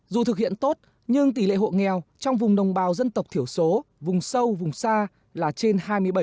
dù thực hiện tốt nhưng tỷ lệ hộ nghèo trong vùng đồng bào dân tộc thiểu số vùng sâu vùng xa là trên hai mươi bảy